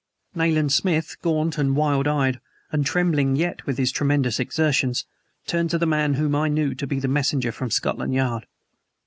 Nayland Smith, gaunt and wild eyed, and trembling yet with his tremendous exertions, turned to the man whom I knew to be the messenger from Scotland Yard.